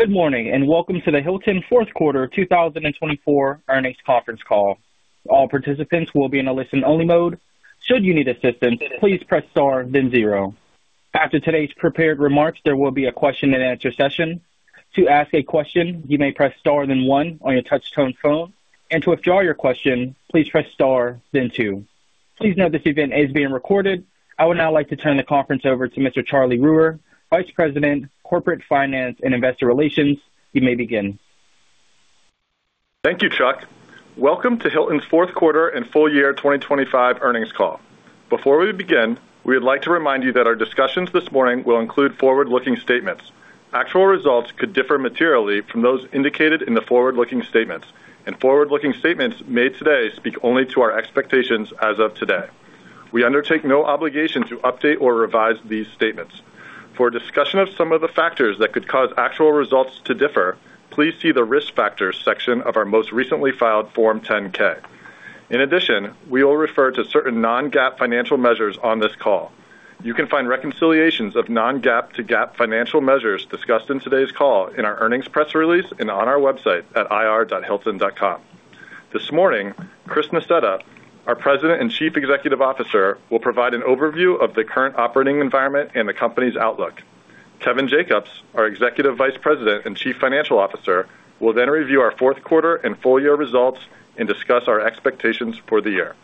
Good morning and welcome to the Hilton fourth quarter 2025 earnings conference call. All participants will be in a listen-only mode. Should you need assistance, please press star, then zero. After today's prepared remarks, there will be a question-and-answer session. To ask a question, you may press star, then one, on your touch-tone phone, and to withdraw your question, please press star, then two. Please note this event is being recorded. I would now like to turn the conference over to Mr. Charlie Reurer, Vice President, Corporate Finance and Investor Relations. You may begin. Thank you, Chuck. Welcome to Hilton's fourth quarter and full year 2025 earnings call. Before we begin, we would like to remind you that our discussions this morning will include forward-looking statements. Actual results could differ materially from those indicated in the forward-looking statements, and forward-looking statements made today speak only to our expectations as of today. We undertake no obligation to update or revise these statements. For a discussion of some of the factors that could cause actual results to differ, please see the risk factors section of our most recently filed Form 10-K. In addition, we will refer to certain non-GAAP financial measures on this call. You can find reconciliations of non-GAAP to GAAP financial measures discussed in today's call in our earnings press release and on our website at ir.hilton.com. This morning, Chris Nassetta, our President and Chief Executive Officer, will provide an overview of the current operating environment and the company's outlook. Kevin Jacobs, our Executive Vice President and Chief Financial Officer, will then review our fourth quarter and full year results and discuss our expectations for the year.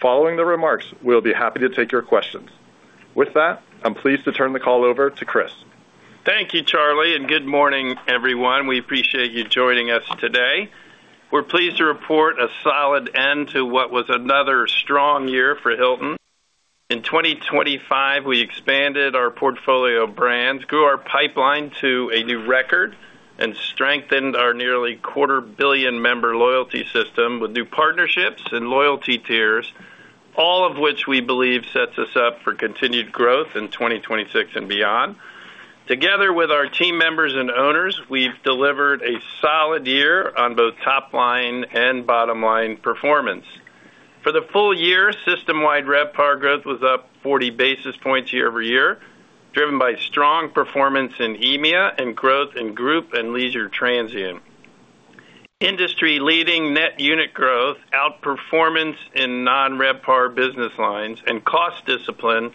Following the remarks, we'll be happy to take your questions. With that, I'm pleased to turn the call over to Chris. Thank you, Charlie, and good morning, everyone. We appreciate you joining us today. We're pleased to report a solid end to what was another strong year for Hilton. In 2025, we expanded our portfolio brands, grew our pipeline to a new record, and strengthened our nearly quarter-billion member loyalty system with new partnerships and loyalty tiers, all of which we believe sets us up for continued growth in 2026 and beyond. Together with our team members and owners, we've delivered a solid year on both top-line and bottom-line performance. For the full year, system-wide RevPAR growth was up 40 basis points year over year, driven by strong performance in EMEA and growth in group and leisure transient. Industry-leading net unit growth, outperformance in non-RevPAR business lines, and cost discipline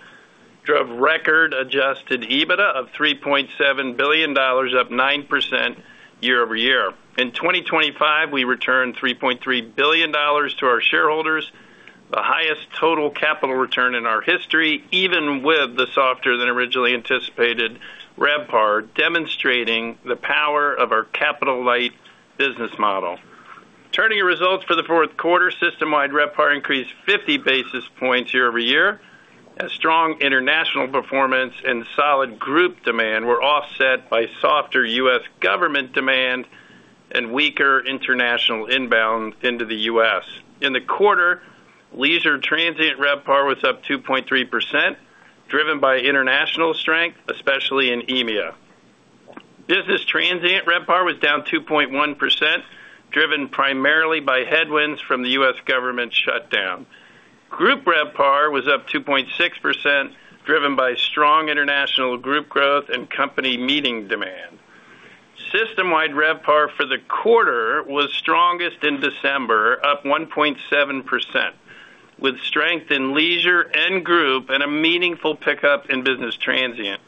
drove record adjusted EBITDA of $3.7 billion, up 9% year over year. In 2025, we returned $3.3 billion to our shareholders, the highest total capital return in our history, even with the softer-than-originally-anticipated RevPAR, demonstrating the power of our capital-light business model. Turning to results for the Fourth Quarter, system-wide RevPAR increased 50 basis points year-over-year, as strong international performance and solid group demand were offset by softer U.S. government demand and weaker international inbound into the U.S. In the quarter, leisure transient RevPAR was up 2.3%, driven by international strength, especially in EMEA. Business transient RevPAR was down 2.1%, driven primarily by headwinds from the U.S. government shutdown. Group RevPAR was up 2.6%, driven by strong international group growth and company meeting demand. System-wide RevPAR for the quarter was strongest in December, up 1.7%, with strength in leisure and group and a meaningful pickup in business transient.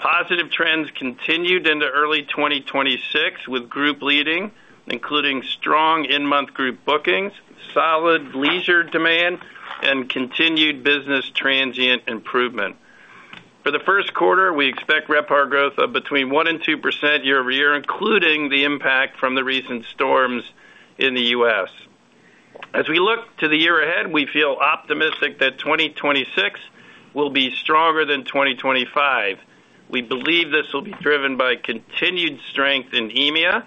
Positive trends continued into early 2026, with group leading, including strong in-month group bookings, solid leisure demand, and continued business transient improvement. For the first quarter, we expect RevPAR growth of between 1% and 2% year-over-year, including the impact from the recent storms in the U.S. As we look to the year ahead, we feel optimistic that 2026 will be stronger than 2025. We believe this will be driven by continued strength in EMEA,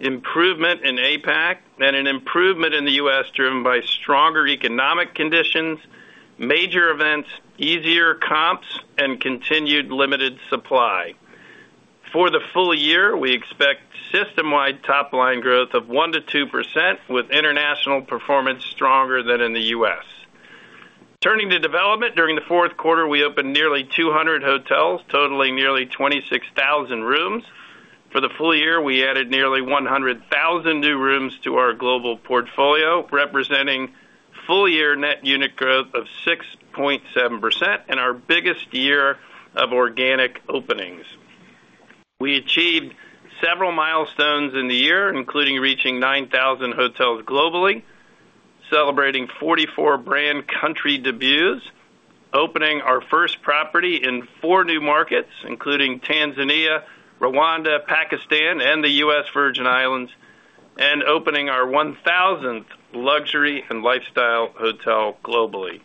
improvement in APAC, and an improvement in the U.S. driven by stronger economic conditions, major events, easier comps, and continued limited supply. For the full year, we expect system-wide top-line growth of 1%-2%, with international performance stronger than in the U.S. Turning to development, during the fourth quarter, we opened nearly 200 hotels, totaling nearly 26,000 rooms. For the full year, we added nearly 100,000 new rooms to our global portfolio, representing full-year Net Unit Growth of 6.7% and our biggest year of organic openings. We achieved several milestones in the year, including reaching 9,000 hotels globally, celebrating 44 brand country debuts, opening our first property in four new markets, including Tanzania, Rwanda, Pakistan, and the U.S. Virgin Islands, and opening our 1,000th luxury and lifestyle hotel globally.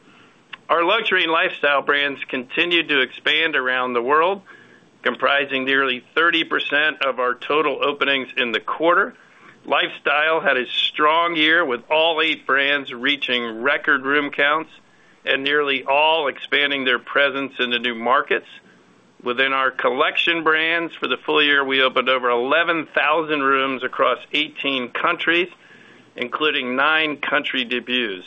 Our luxury and lifestyle brands continue to expand around the world, comprising nearly 30% of our total openings in the quarter. Lifestyle had a strong year, with all eight brands reaching record room counts and nearly all expanding their presence into new markets. Within our collection brands, for the full year, we opened over 11,000 rooms across 18 countries, including nine country debuts.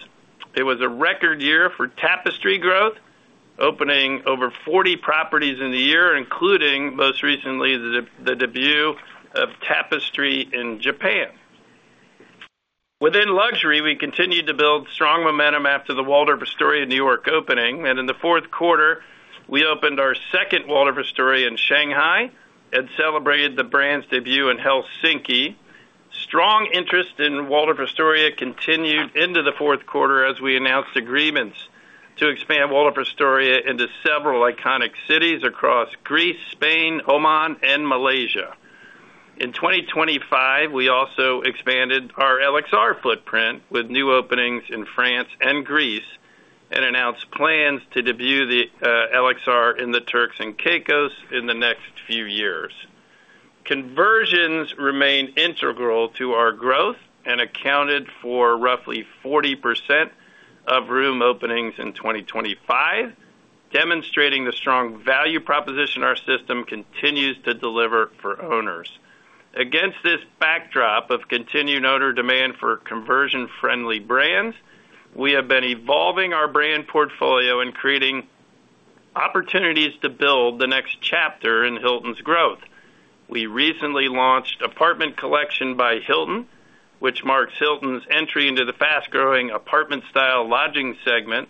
It was a record year for Tapestry growth, opening over 40 properties in the year, including most recently the debut of Tapestry in Japan. Within luxury, we continued to build strong momentum after the Waldorf Astoria New York opening, and in the Fourth Quarter, we opened our second Waldorf Astoria in Shanghai and celebrated the brand's debut in Helsinki. Strong interest in Waldorf Astoria continued into the Fourth Quarter as we announced agreements to expand Waldorf Astoria into several iconic cities across Greece, Spain, Oman, and Malaysia. In 2025, we also expanded our LXR footprint with new openings in France and Greece and announced plans to debut the LXR in the Turks and Caicos Islands in the next few years. Conversions remained integral to our growth and accounted for roughly 40% of room openings in 2025, demonstrating the strong value proposition our system continues to deliver for owners. Against this backdrop of continued owner demand for conversion-friendly brands, we have been evolving our brand portfolio and creating opportunities to build the next chapter in Hilton's growth. We recently launched Apartment Collection by Hilton, which marks Hilton's entry into the fast-growing apartment-style lodging segment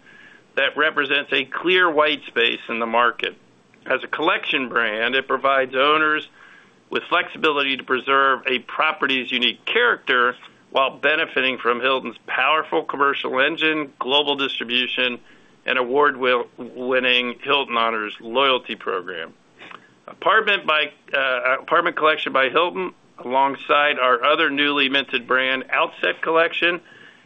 that represents a clear white space in the market. As a collection brand, it provides owners with flexibility to preserve a property's unique character while benefiting from Hilton's powerful commercial engine, global distribution, and award-winning Hilton Honors loyalty program. Apartment Collection by Hilton, alongside our other newly minted brand Outset Collection,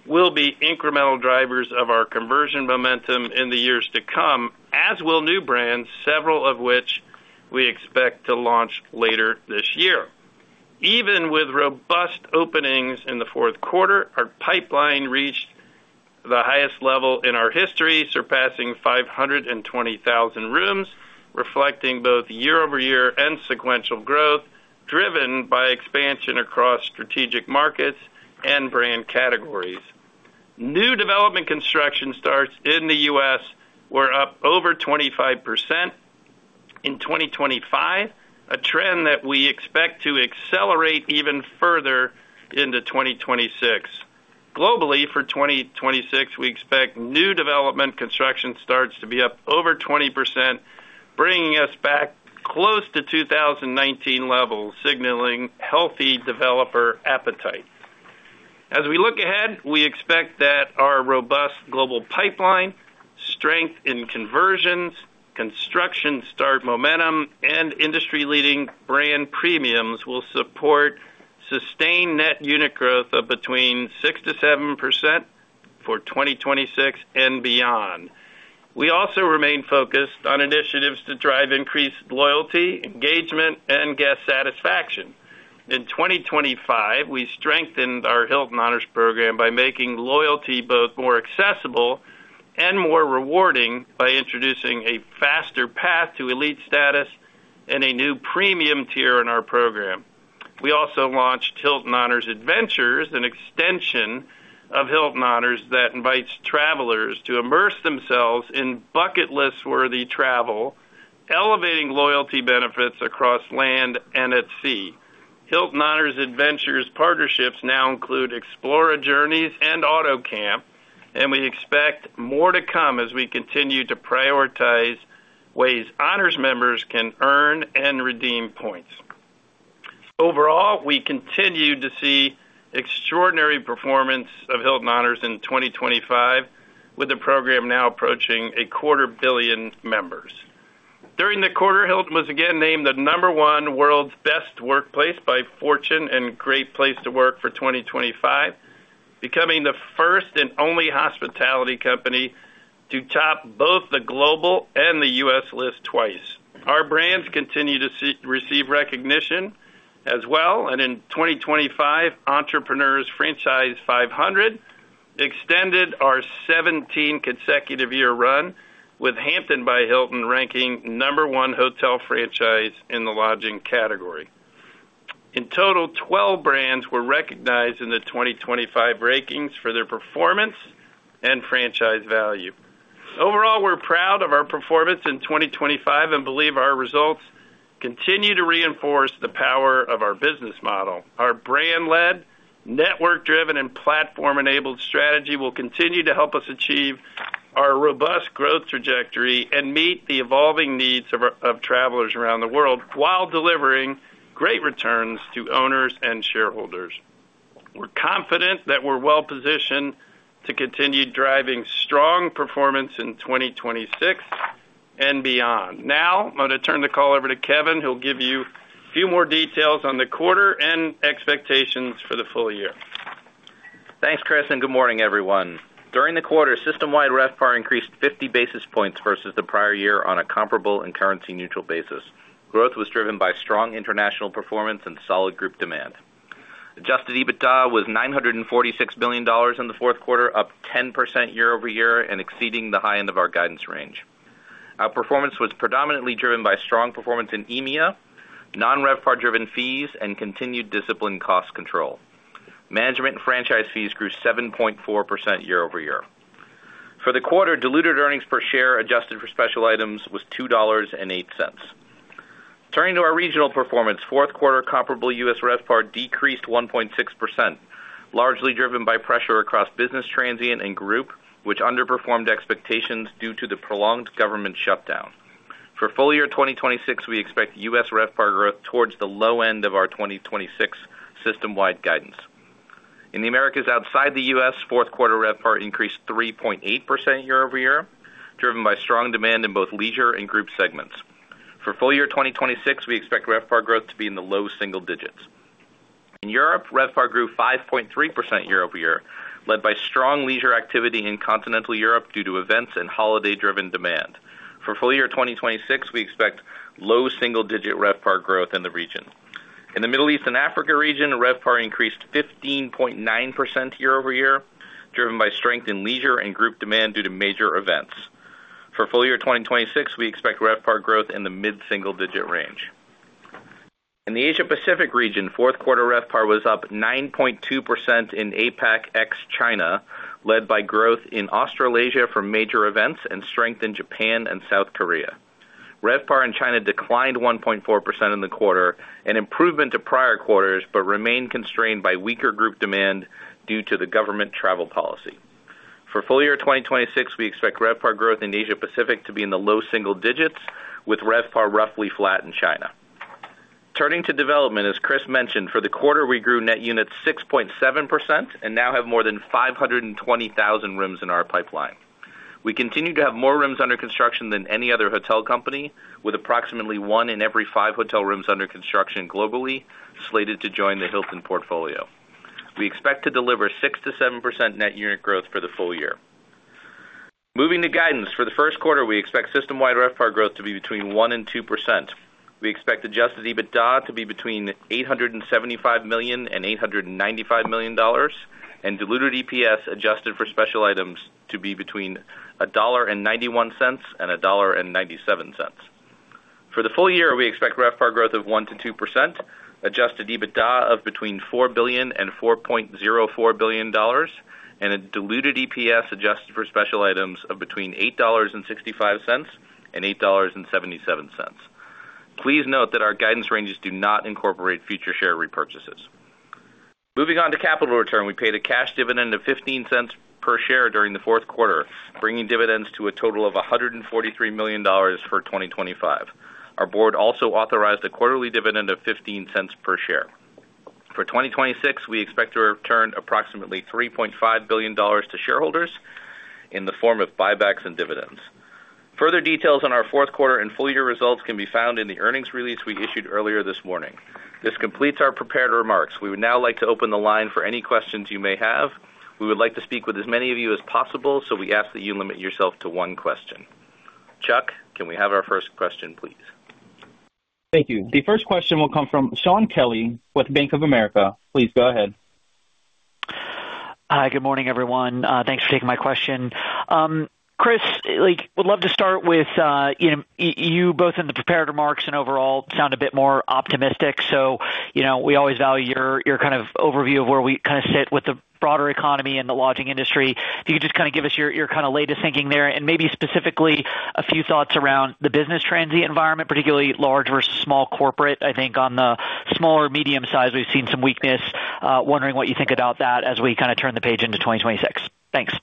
will be incremental drivers of our conversion momentum in the years to come, as will new brands, several of which we expect to launch later this year. Even with robust openings in the Fourth Quarter, our pipeline reached the highest level in our history, surpassing 520,000 rooms, reflecting both year-over-year and sequential growth driven by expansion across strategic markets and brand categories. New development construction starts in the U.S. were up over 25% in 2025, a trend that we expect to accelerate even further into 2026. Globally, for 2026, we expect new development construction starts to be up over 20%, bringing us back close to 2019 levels, signaling healthy developer appetite. As we look ahead, we expect that our robust global pipeline, strength in conversions, construction start momentum, and industry-leading brand premiums will support sustained net unit growth of between 6%-7% for 2026 and beyond. We also remain focused on initiatives to drive increased loyalty, engagement, and guest satisfaction. In 2025, we strengthened our Hilton Honors program by making loyalty both more accessible and more rewarding by introducing a faster path to elite status and a new premium tier in our program. We also launched Hilton Honors Adventures, an extension of Hilton Honors that invites travelers to immerse themselves in bucket-list-worthy travel, elevating loyalty benefits across land and at sea. Hilton Honors Adventures partnerships now include Explora Journeys and AutoCamp, and we expect more to come as we continue to prioritize ways Honors members can earn and redeem points. Overall, we continue to see extraordinary performance of Hilton Honors in 2025, with the program now approaching a quarter billion members. During the quarter, Hilton was again named the number one world's best workplace by Fortune and Great Place to Work for 2025, becoming the first and only hospitality company to top both the global and the U.S. list twice. Our brands continue to receive recognition as well, and in 2025, Entrepreneur Franchise 500 extended our 17-consecutive-year run, with Hampton by Hilton ranking number one hotel franchise in the lodging category. In total, 12 brands were recognized in the 2025 rankings for their performance and franchise value. Overall, we're proud of our performance in 2025 and believe our results continue to reinforce the power of our business model. Our brand-led, network-driven, and platform-enabled strategy will continue to help us achieve our robust growth trajectory and meet the evolving needs of travelers around the world while delivering great returns to owners and shareholders. We're confident that we're well-positioned to continue driving strong performance in 2026 and beyond. Now, I'm going to turn the call over to Kevin. He'll give you a few more details on the quarter and expectations for the full year. Thanks, Chris, and good morning, everyone. During the quarter, system-wide RevPAR increased 50 basis points versus the prior year on a comparable and currency-neutral basis. Growth was driven by strong international performance and solid group demand. Adjusted EBITDA was $946 billion in the fourth quarter, up 10% year-over-year and exceeding the high end of our guidance range. Our performance was predominantly driven by strong performance in EMEA, non-RevPAR-driven fees, and continued discipline cost control. Management and franchise fees grew 7.4% year-over-year. For the quarter, diluted earnings per share adjusted for special items was $2.08. Turning to our regional performance, Fourth Quarter comparable U.S. RevPAR decreased 1.6%, largely driven by pressure across business transient and group, which underperformed expectations due to the prolonged government shutdown. For full year 2026, we expect U.S. RevPAR growth towards the low end of our 2026 system-wide guidance. In the Americas outside the U.S., Fourth Quarter RevPAR increased 3.8% year-over-year, driven by strong demand in both leisure and group segments. For full year 2026, we expect RevPAR growth to be in the low single digits. In Europe, RevPAR grew 5.3% year-over-year, led by strong leisure activity in continental Europe due to events and holiday-driven demand. For full year 2026, we expect low single-digit RevPAR growth in the region. In the Middle East and Africa region, RevPAR increased 15.9% year-over-year, driven by strength in leisure and group demand due to major events. For full year 2026, we expect RevPAR growth in the mid-single-digit range. In the Asia-Pacific region, Fourth Quarter RevPAR was up 9.2% in APAC ex-China, led by growth in Australasia from major events and strength in Japan and South Korea. RevPAR in China declined 1.4% in the quarter, an improvement to prior quarters but remained constrained by weaker group demand due to the government travel policy. For full year 2026, we expect RevPAR growth in Asia-Pacific to be in the low single digits, with RevPAR roughly flat in China. Turning to development, as Chris mentioned, for the quarter we grew net units 6.7% and now have more than 520,000 rooms in our pipeline. We continue to have more rooms under construction than any other hotel company, with approximately one in every five hotel rooms under construction globally slated to join the Hilton portfolio. We expect to deliver 6%-7% net unit growth for the full year. Moving to guidance, for the First Quarter, we expect system-wide RevPAR growth to be between 1% and 2%. We expect Adjusted EBITDA to be between $875 million and $895 million, and Diluted EPS adjusted for special items to be between $1.91 and $1.97. For the full year, we expect RevPAR growth of 1%-2%, Adjusted EBITDA of between $4 billion and $4.04 billion, and a Diluted EPS adjusted for special items of between $8.65 and $8.77. Please note that our guidance ranges do not incorporate future share repurchases. Moving on to capital return, we paid a cash dividend of $0.15 per share during the Fourth Quarter, bringing dividends to a total of $143 million for 2025. Our board also authorized a quarterly dividend of $0.15 per share. For 2026, we expect to return approximately $3.5 billion to shareholders in the form of buybacks and dividends. Further details on our Fourth Quarter and full-year results can be found in the earnings release we issued earlier this morning. This completes our prepared remarks. We would now like to open the line for any questions you may have. We would like to speak with as many of you as possible, so we ask that you limit yourself to one question. Chuck, can we have our first question, please? Thank you. The first question will come from Shaun Kelley with Bank of America. Please go ahead. Hi, good morning, everyone. Thanks for taking my question. Chris, would love to start with you both in the prepared remarks and overall sound a bit more optimistic, so we always value your kind of overview of where we kind of sit with the broader economy and the lodging industry. If you could just kind of give us your kind of latest thinking there and maybe specifically a few thoughts around the business transient environment, particularly large versus small corporate. I think on the smaller medium size, we've seen some weakness. Wondering what you think about that as we kind of turn the page into 2026. Thanks.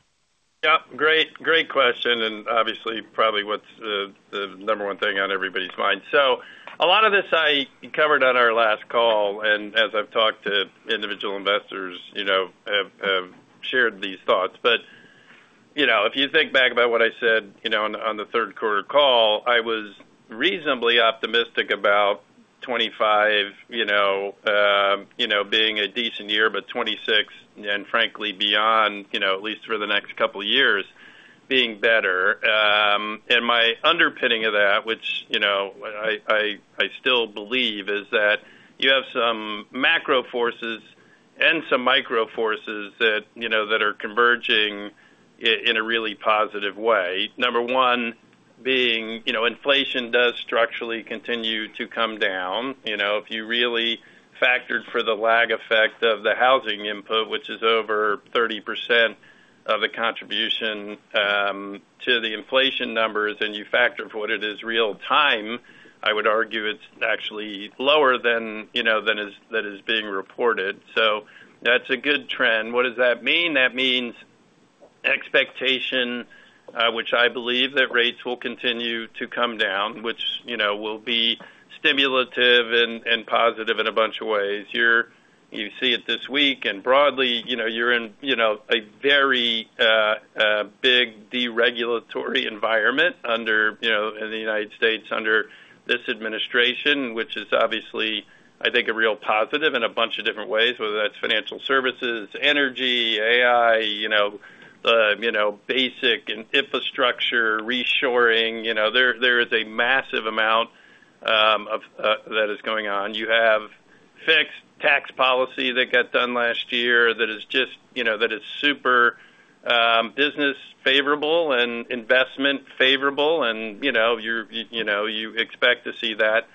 Yep, great question and obviously probably what's the number one thing on everybody's mind. So a lot of this I covered on our last call, and as I've talked to individual investors, have shared these thoughts. But if you think back about what I said on the third quarter call, I was reasonably optimistic about 2025 being a decent year, but 2026 and frankly beyond, at least for the next couple of years, being better. And my underpinning of that, which I still believe, is that you have some macro forces and some micro forces that are converging in a really positive way. Number one being inflation does structurally continue to come down. If you really factored for the lag effect of the housing input, which is over 30% of the contribution to the inflation numbers, and you factor for what it is real-time, I would argue it's actually lower than is being reported. So that's a good trend. What does that mean? That means expectation, which I believe that rates will continue to come down, which will be stimulative and positive in a bunch of ways. You see it this week, and broadly, you're in a very big deregulatory environment in the United States under this administration, which is obviously, I think, a real positive in a bunch of different ways, whether that's financial services, energy, AI, basic infrastructure, reshoring. There is a massive amount that is going on. You have fixed tax policy that got done last year that is super business-favorable and investment-favorable, and you expect to see that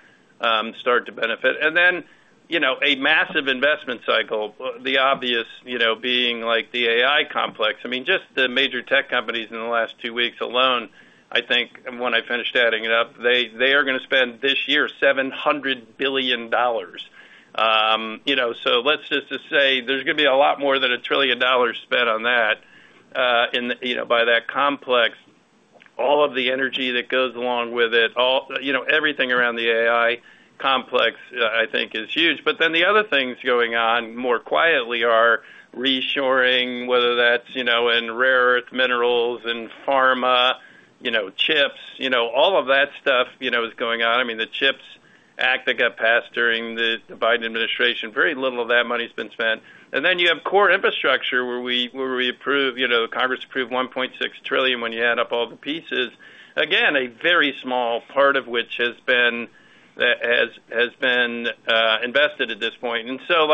start to benefit. And then a massive investment cycle, the obvious being the AI complex. I mean, just the major tech companies in the last two weeks alone, I think, when I finished adding it up, they are going to spend this year $700 billion. So let's just say there's going to be a lot more than $1 trillion spent on that by that complex. All of the energy that goes along with it, everything around the AI complex, I think, is huge. But then the other things going on more quietly are reshoring, whether that's in rare earth minerals, in pharma, chips. All of that stuff is going on. I mean, the CHIPS Act that got passed during the Biden administration, very little of that money has been spent. Then you have core infrastructure where Congress approved $1.6 trillion when you add up all the pieces. Again, a very small part of which has been invested at this point. So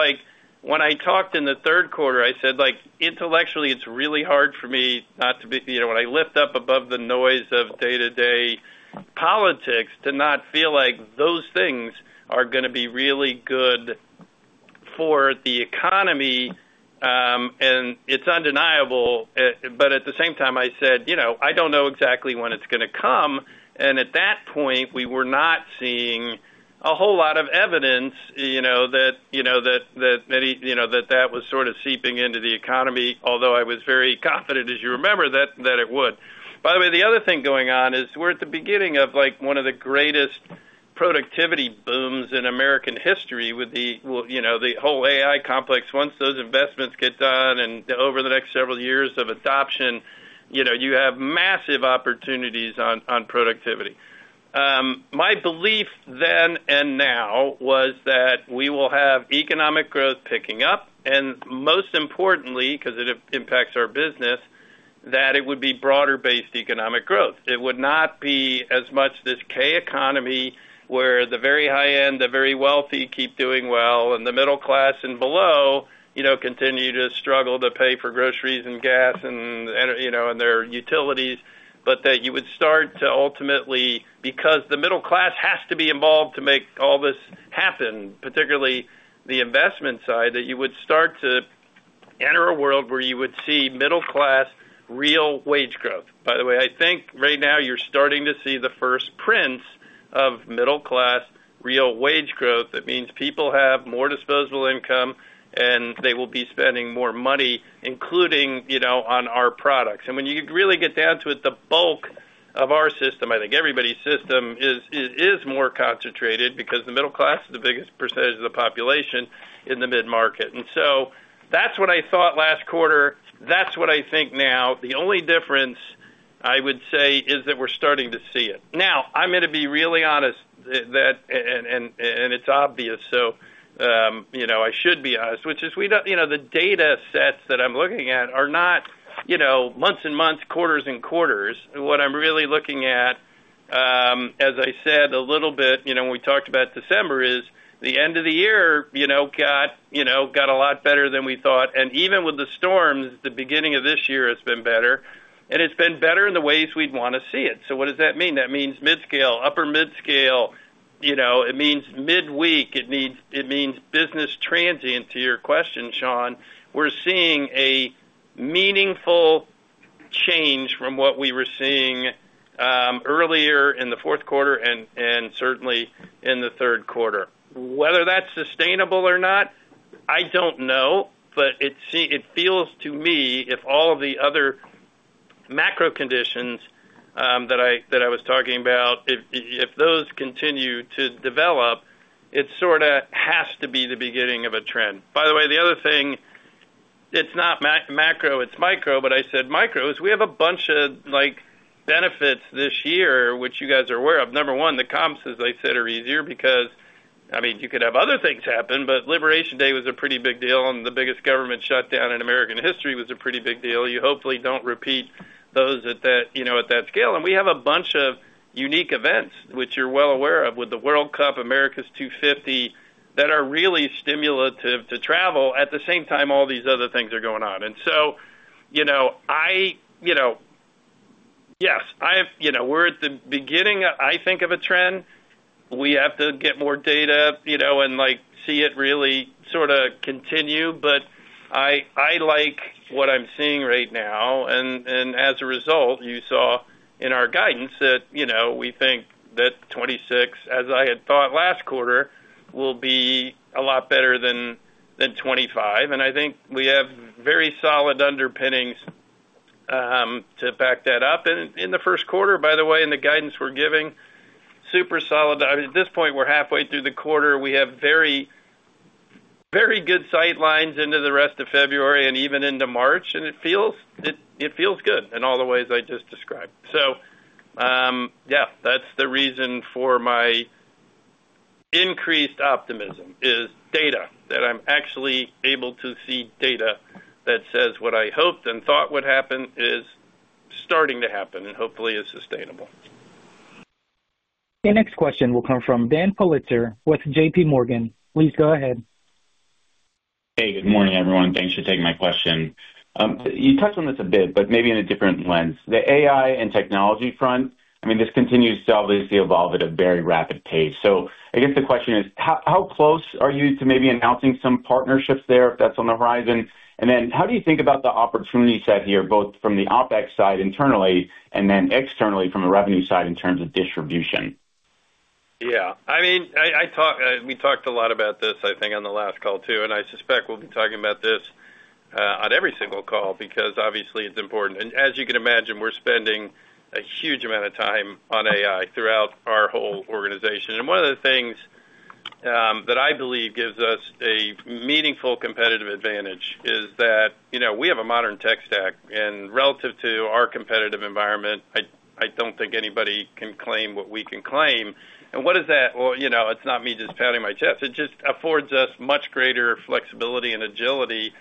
when I talked in the third quarter, I said, "Intellectually, it's really hard for me not to be when I lift up above the noise of day-to-day politics, to not feel like those things are going to be really good for the economy." And it's undeniable. But at the same time, I said, "I don't know exactly when it's going to come." And at that point, we were not seeing a whole lot of evidence that that was sort of seeping into the economy, although I was very confident, as you remember, that it would. By the way, the other thing going on is we're at the beginning of one of the greatest productivity booms in American history with the whole AI complex. Once those investments get done and over the next several years of adoption, you have massive opportunities on productivity. My belief then and now was that we will have economic growth picking up, and most importantly, because it impacts our business, that it would be broader-based economic growth. It would not be as much this K economy where the very high-end, the very wealthy keep doing well, and the middle class and below continue to struggle to pay for groceries and gas and their utilities, but that you would start to ultimately because the middle class has to be involved to make all this happen, particularly the investment side, that you would start to enter a world where you would see middle-class real wage growth. By the way, I think right now you're starting to see the first prints of middle-class real wage growth. That means people have more disposable income, and they will be spending more money, including on our products. When you really get down to it, the bulk of our system, I think everybody's system, is more concentrated because the middle class is the biggest percentage of the population in the mid-market. That's what I thought last quarter. That's what I think now. The only difference, I would say, is that we're starting to see it. Now, I'm going to be really honest, and it's obvious, so I should be honest, which is the data sets that I'm looking at are not months and months, quarters and quarters. What I'm really looking at, as I said a little bit when we talked about December, is the end of the year got a lot better than we thought. Even with the storms, the beginning of this year has been better. It's been better in the ways we'd want to see it. What does that mean? That means midscale, upper midscale. It means mid-week. It means business transient. To your question, Sean, we're seeing a meaningful change from what we were seeing earlier in the Fourth Quarter and certainly in the Third Quarter. Whether that's sustainable or not, I don't know, but it feels to me, if all of the other macro conditions that I was talking about, if those continue to develop, it sort of has to be the beginning of a trend. By the way, the other thing, it's not macro, it's micro, but I said micro is we have a bunch of benefits this year which you guys are aware of. Number one, the comps, as I said, are easier because, I mean, you could have other things happen, but Liberation Day was a pretty big deal, and the biggest government shutdown in American history was a pretty big deal. You hopefully don't repeat those at that scale. We have a bunch of unique events, which you're well aware of, with the World Cup, America's 250, that are really stimulative to travel at the same time all these other things are going on. And so, yes, we're at the beginning, I think, of a trend. We have to get more data and see it really sort of continue. But I like what I'm seeing right now. And as a result, you saw in our guidance that we think that 2026, as I had thought last quarter, will be a lot better than 2025. And I think we have very solid underpinnings to back that up. And in the First Quarter, by the way, in the guidance we're giving, super solid. I mean, at this point, we're halfway through the quarter. We have very good sightlines into the rest of February and even into March. It feels good in all the ways I just described. So yeah, that's the reason for my increased optimism, is data, that I'm actually able to see data that says what I hoped and thought would happen is starting to happen and hopefully is sustainable. The next question will come from Dan Politzer with J.P. Morgan. Please go ahead. Hey, good morning, everyone. Thanks for taking my question. You touched on this a bit, but maybe in a different lens. The AI and technology front, I mean, this continues to obviously evolve at a very rapid pace. So I guess the question is, how close are you to maybe announcing some partnerships there if that's on the horizon? And then how do you think about the opportunity set here, both from the OpEx side internally and then externally from the revenue side in terms of distribution? Yeah. I mean, we talked a lot about this, I think, on the last call too, and I suspect we'll be talking about this on every single call because obviously it's important. And as you can imagine, we're spending a huge amount of time on AI throughout our whole organization. And one of the things that I believe gives us a meaningful competitive advantage is that we have a modern tech stack. And relative to our competitive environment, I don't think anybody can claim what we can claim. And what does that? Well, it's not me just pounding my chest. It just affords us much greater flexibility and agility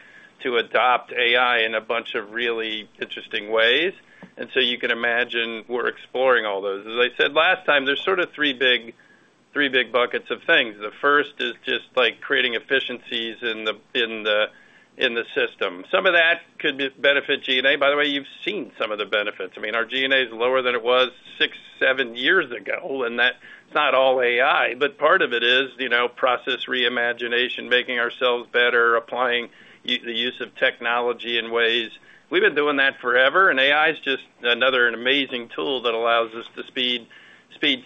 to adopt AI in a bunch of really interesting ways. And so you can imagine we're exploring all those. As I said last time, there's sort of three big buckets of things. The first is just creating efficiencies in the system. Some of that could benefit G&A. By the way, you've seen some of the benefits. I mean, our G&A is lower than it was six, seven years ago, and that's not all AI. But part of it is process reimagination, making ourselves better, applying the use of technology in ways we've been doing that forever. And AI is just another amazing tool that allows us to speed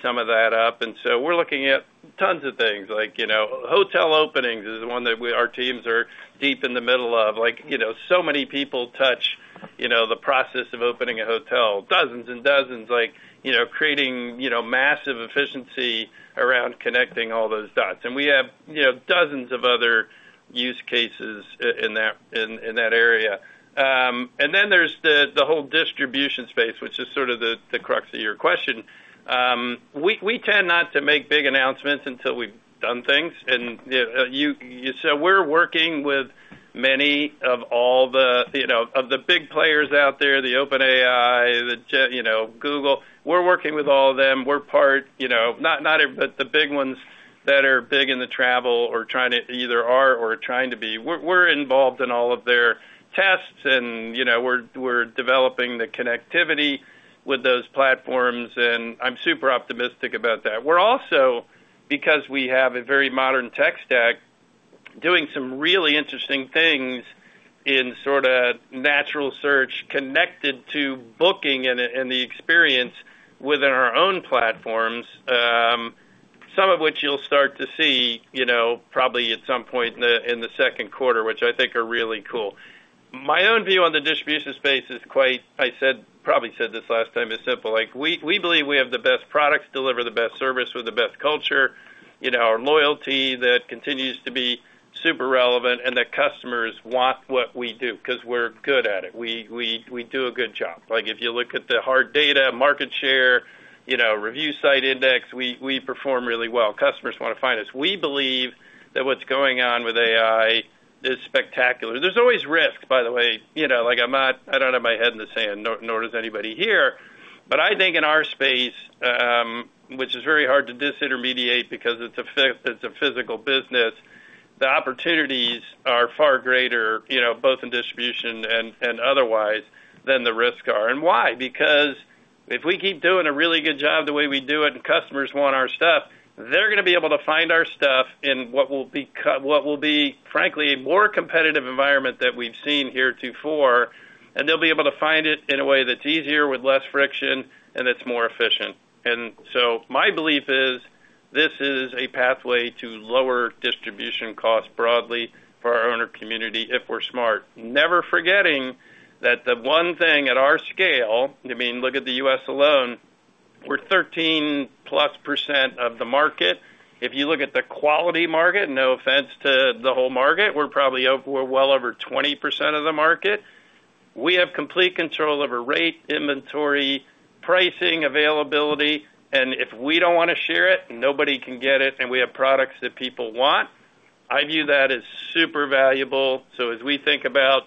some of that up. And so we're looking at tons of things. Hotel openings is one that our teams are deep in the middle of. So many people touch the process of opening a hotel, dozens and dozens, creating massive efficiency around connecting all those dots. And we have dozens of other use cases in that area. And then there's the whole distribution space, which is sort of the crux of your question. We tend not to make big announcements until we've done things. And so we're working with many of all the big players out there, the OpenAI, the Google. We're working with all of them. We're part, not the big ones that are big in the travel or trying to either are or trying to be. We're involved in all of their tests, and we're developing the connectivity with those platforms, and I'm super optimistic about that. We're also, because we have a very modern tech stack, doing some really interesting things in sort of natural search connected to booking and the experience within our own platforms, some of which you'll start to see probably at some point in the second quarter, which I think are really cool. My own view on the distribution space is quite, I probably said this last time, is simple. We believe we have the best products, deliver the best service with the best culture, our loyalty that continues to be super relevant, and that customers want what we do because we're good at it. We do a good job. If you look at the hard data, market share, review site index, we perform really well. Customers want to find us. We believe that what's going on with AI is spectacular. There's always risks, by the way. I don't have my head in the sand, nor does anybody here. But I think in our space, which is very hard to disintermediate because it's a physical business, the opportunities are far greater, both in distribution and otherwise, than the risks are. And why? Because if we keep doing a really good job the way we do it and customers want our stuff, they're going to be able to find our stuff in what will be, frankly, a more competitive environment than we've seen heretofore. And they'll be able to find it in a way that's easier, with less friction, and that's more efficient. And so my belief is this is a pathway to lower distribution costs broadly for our owner community if we're smart, never forgetting that the one thing at our scale, I mean, look at the U.S. alone. We're 13%+ of the market. If you look at the quality market, no offense to the whole market, we're probably well over 20% of the market. We have complete control over rate, inventory, pricing, availability. And if we don't want to share it, nobody can get it, and we have products that people want. I view that as super valuable. So as we think about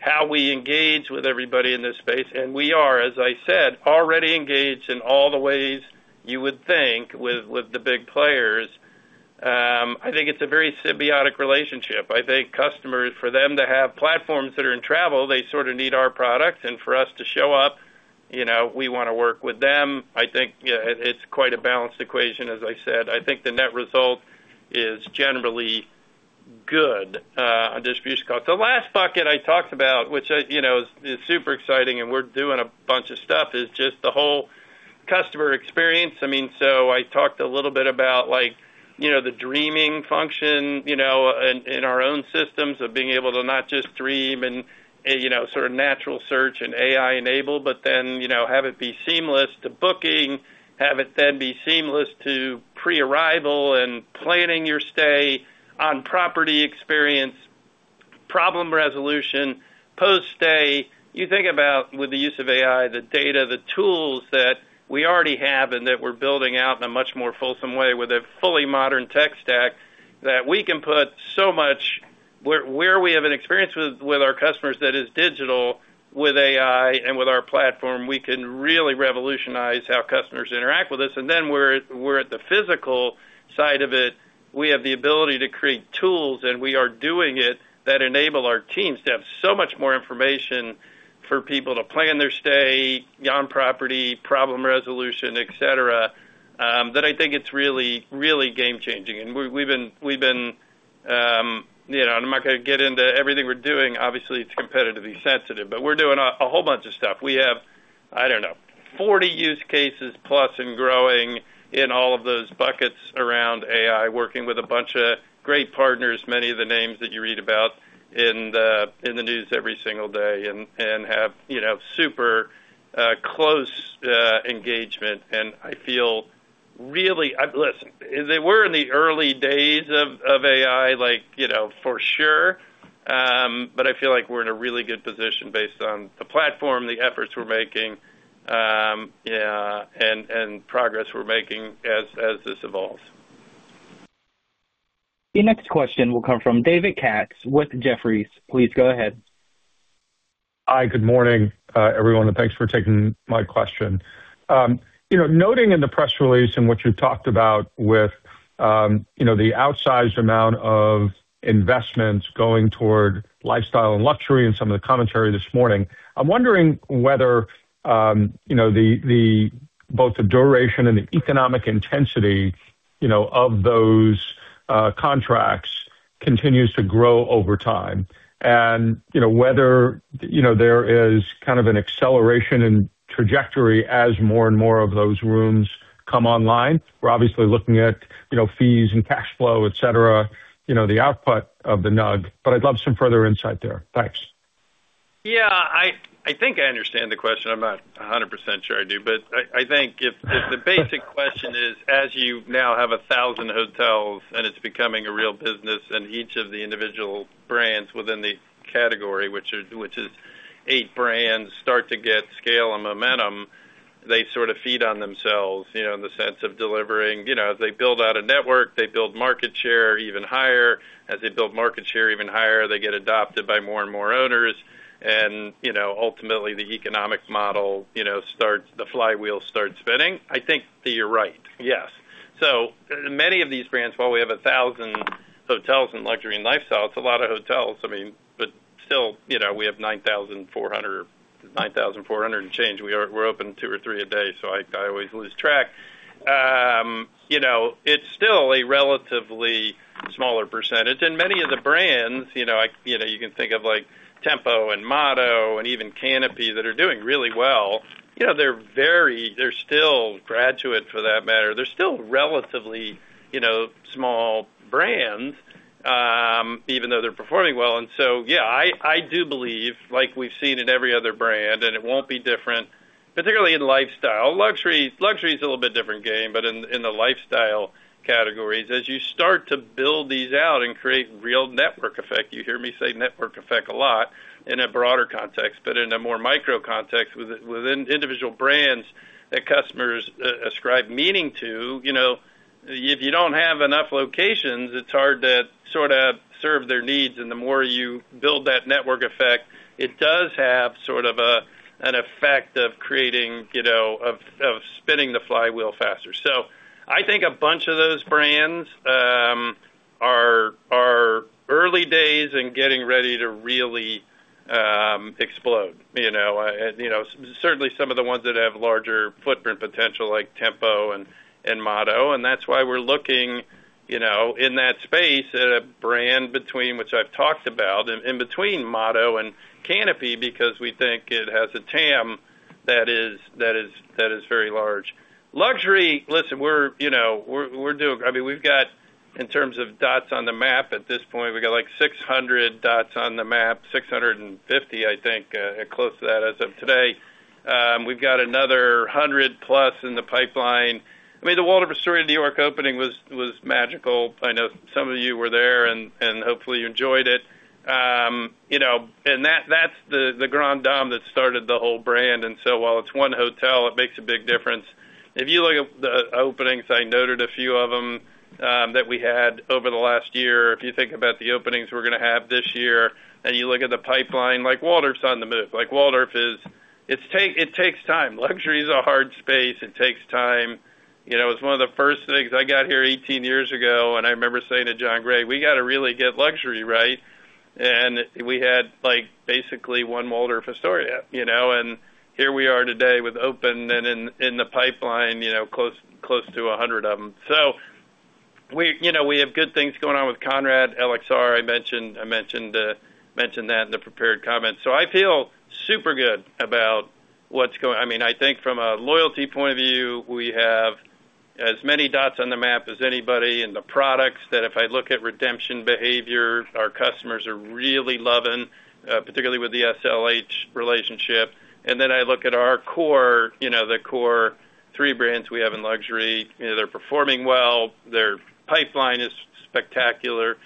how we engage with everybody in this space, and we are, as I said, already engaged in all the ways you would think with the big players. I think it's a very symbiotic relationship. I think customers, for them to have platforms that are in travel, they sort of need our products. And for us to show up, we want to work with them. I think it's quite a balanced equation, as I said. I think the net result is generally good on distribution costs. The last bucket I talked about, which is super exciting, and we're doing a bunch of stuff, is just the whole customer experience. I mean, so I talked a little bit about the dreaming function in our own systems of being able to not just dream and sort of natural search and AI-enabled, but then have it be seamless to booking, have it then be seamless to pre-arrival and planning your stay on property experience, problem resolution, post-stay. You think about, with the use of AI, the data, the tools that we already have and that we're building out in a much more fulsome way with a fully modern tech stack that we can put so much where we have an experience with our customers that is digital with AI and with our platform, we can really revolutionize how customers interact with us. And then we're at the physical side of it. We have the ability to create tools, and we are doing it that enable our teams to have so much more information for people to plan their stay on property, problem resolution, etc., that I think it's really, really game-changing. I'm not going to get into everything we're doing. Obviously, it's competitively sensitive, but we're doing a whole bunch of stuff. We have, I don't know, 40 use cases plus and growing in all of those buckets around AI, working with a bunch of great partners, many of the names that you read about in the news every single day, and have super close engagement. And I feel really, listen, they were in the early days of AI, for sure, but I feel like we're in a really good position based on the platform, the efforts we're making, and progress we're making as this evolves. The next question will come from David Katz with Jefferies. Please go ahead. Hi, good morning, everyone, and thanks for taking my question. Noting in the press release and what you've talked about with the outsized amount of investments going toward lifestyle and luxury and some of the commentary this morning, I'm wondering whether both the duration and the economic intensity of those contracts continues to grow over time and whether there is kind of an acceleration in trajectory as more and more of those rooms come online. We're obviously looking at fees and cash flow, etc., the output of the NUG, but I'd love some further insight there. Thanks. Yeah, I think I understand the question. I'm not 100% sure I do, but I think if the basic question is, as you now have 1,000 hotels and it's becoming a real business and each of the individual brands within the category, which is 8 brands, start to get scale and momentum, they sort of feed on themselves in the sense of delivering. As they build out a network, they build market share even higher. As they build market share even higher, they get adopted by more and more owners. And ultimately, the economic model starts the flywheel spinning. I think that you're right, yes. So many of these brands, while we have 1,000 hotels and luxury and lifestyle, it's a lot of hotels, I mean, but still, we have 9,400 or 9,400 and change. We're open 2 or 3 a day, so I always lose track. It's still a relatively smaller percentage. And many of the brands, you can think of Tempo and Motto and even Canopy that are doing really well, they're still Graduate for that matter. They're still relatively small brands, even though they're performing well. And so yeah, I do believe, like we've seen in every other brand, and it won't be different, particularly in lifestyle. Luxury is a little bit different game, but in the lifestyle categories, as you start to build these out and create real network effect, you hear me say network effect a lot in a broader context, but in a more micro context within individual brands that customers ascribe meaning to, if you don't have enough locations, it's hard to sort of serve their needs. And the more you build that network effect, it does have sort of an effect of spinning the flywheel faster. So I think a bunch of those brands are early days in getting ready to really explode. Certainly, some of the ones that have larger footprint potential, like Tempo and Motto. And that's why we're looking in that space at a brand between, which I've talked about, in between Motto and Canopy because we think it has a TAM that is very large. Luxury, listen, we're doing I mean, we've got, in terms of dots on the map at this point, we've got like 600 dots on the map, 650, I think, close to that as of today. We've got another 100-plus in the pipeline. I mean, the Waldorf Astoria of New York opening was magical. I know some of you were there, and hopefully, you enjoyed it. And that's the grand dame that started the whole brand. And so while it's one hotel, it makes a big difference. If you look at the openings, I noted a few of them that we had over the last year. If you think about the openings we're going to have this year, and you look at the pipeline, Waldorf Astoria's on the move. Waldorf, it takes time. Luxury is a hard space. It takes time. It was one of the first things I got here 18 years ago, and I remember saying to Jonathan Gray, "We got to really get luxury right." And we had basically one Waldorf Astoria. And here we are today with open and in the pipeline, close to 100 of them. So we have good things going on with Conrad, LXR. I mentioned that in the prepared comments. So I feel super good about what's going on. I mean, I think from a loyalty point of view, we have as many dots on the map as anybody in the products that if I look at redemption behavior, our customers are really loving, particularly with the SLH relationship. And then I look at our core, the core three brands we have in luxury, they're performing well. Their pipeline is spectacular.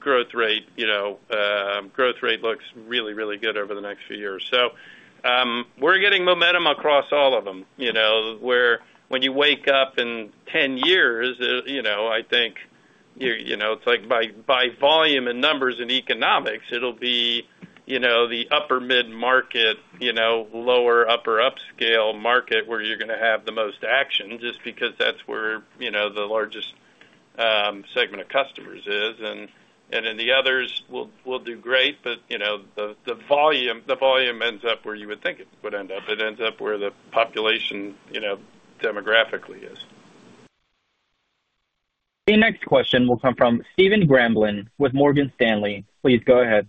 Growth rate looks really, really good over the next few years. So we're getting momentum across all of them, where when you wake up in 10 years, I think it's like by volume and numbers and economics, it'll be the upper mid-market, lower upper upscale market where you're going to have the most action just because that's where the largest segment of customers is. And in the others, we'll do great, but the volume ends up where you would think it would end up. It ends up where the population demographically is. The next question will come from Stephen Grambling with Morgan Stanley. Please go ahead.